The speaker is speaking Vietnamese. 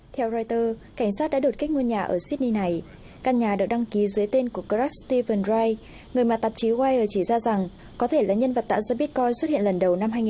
theo reuters cảnh sát đã đột kích ngôi nhà ở sydney này căn nhà được đăng ký dưới tên của clark stephen wright người mà tạp chí wired chỉ ra rằng có thể là nhân vật tạo ra bitcoin xuất hiện lần đầu năm hai nghìn chín